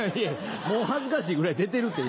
もう恥ずかしいぐらい出てるて今。